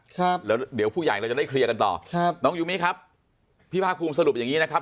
ครับแล้วเดี๋ยวผู้ใหญ่เราจะได้เคลียร์กันต่อครับน้องยูมิครับพี่ภาคภูมิสรุปอย่างงี้นะครับ